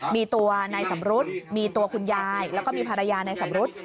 มีตัวนายสำรุษมีตัวคุณยายแล้วก็มีภรรยาในสำรุษ